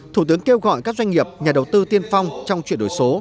thủ tướng kêu gọi các doanh nghiệp nhà đầu tư tiên phong trong chuyển đổi số